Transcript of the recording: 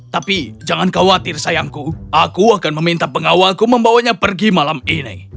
tapi jangan khawatir sayangku aku akan meminta pengawalku membawanya pergi malam ini